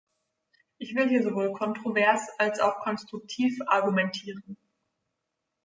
Ich will hier sowohl kontrovers als auch konstruktiv argumentieren.